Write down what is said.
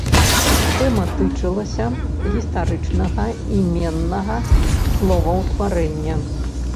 Тэма тычылася гістарычнага іменнага словаўтварэння.